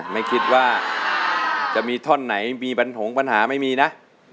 ไม่คิดว่าจะมีท่อนไหนมีปัญหาไม่มีนะ